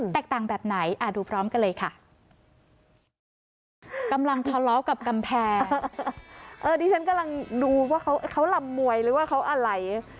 แตกต่างแบบไหนอ่ะดูพร้อมกันเลยค่ะกำลังทะเลาะกับกำแพงเออนี่ฉันกำลังดูว่าเขาเขาลำมวยหรือว่าเขาอะไร